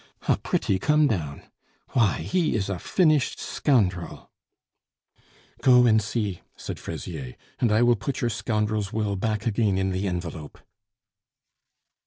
"A pretty come down!... Why, he is a finished scoundrel." "Go and see," said Fraisier, "and I will put your scoundrel's will back again in the envelope."